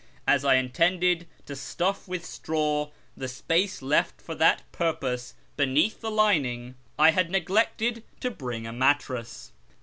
As I intended to stuff with straw the space left for that purpose beneath the lining, I had neglected to bring a mattress.